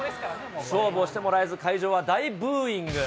勝負をしてもらえず、会場は大ブーイング。